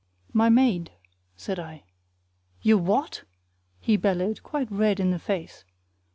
"My maid," said I. "Your what?" he bellowed, quite red in the face.